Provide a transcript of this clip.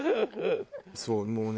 そう。